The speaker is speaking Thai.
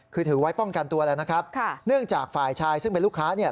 คือถือไว้ป้องกันตัวแล้วนะครับค่ะเนื่องจากฝ่ายชายซึ่งเป็นลูกค้าเนี่ย